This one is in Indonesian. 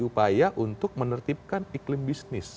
upaya untuk menertibkan iklim bisnis